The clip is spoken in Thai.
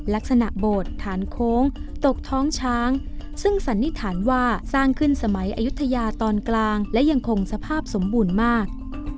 ลักษณะโบสถ์ฐานโค้งตกท้องช้างซึ่งสันนิษฐานว่าสร้างขึ้นสมัยอายุทยาตอนกลางและยังคงสภาพสมบูรณ์มาก